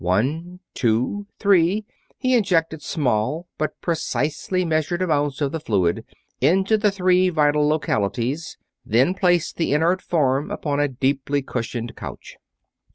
One, two, three, he injected small, but precisely measured amounts of the fluids into the three vital localities, then placed the inert form upon a deeply cushioned couch.